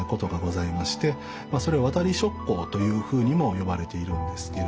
まあそれ「渡り職工」というふうにも呼ばれているんですけれども。